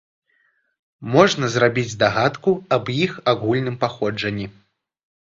Можна зрабіць здагадку аб іх агульным паходжанні.